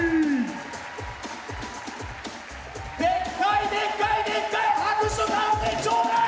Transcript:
でっかいでっかいでっかい拍手をちょうだい！